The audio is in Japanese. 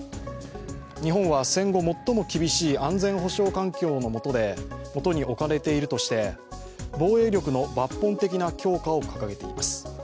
日本は、戦後最も厳しい安全保障環境のもとに置かれているとして防衛力の抜本的な強化を掲げています。